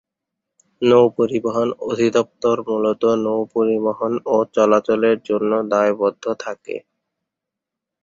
নৌপরিবহন অধিদপ্তর মূলত নৌপরিবহন ও চলাচলের জন্য দায়বদ্ধ থাকে।